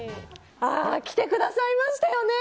来てくださいましたよね。